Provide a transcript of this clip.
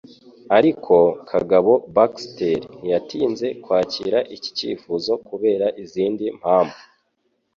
Ariko, Kagabo Baxter ntiyatinze kwakira iki cyifuzo kubera izindi mpamvu